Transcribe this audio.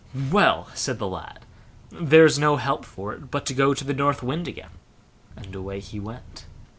"Well", said the lad, "there's no help for it but to go to the North Wind again"; and away he went.